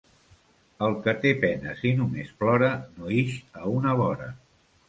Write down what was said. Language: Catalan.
El que té penes i només plora, no ix a una vora.